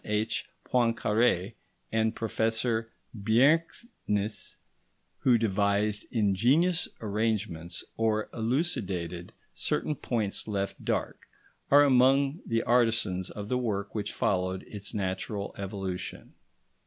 H. Poincaré and Professor Bjerknes, who devised ingenious arrangements or elucidated certain points left dark, are among the artisans of the work which followed its natural evolution.